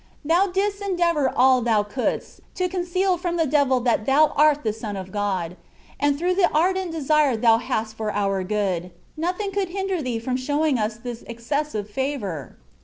Thou didst endeavour all Thou couldst to conceal from the devil that Thou art the Son of God; and through the ardent desire Thou hast for our good, nothing could hinder Thee from showing us this excessive favour.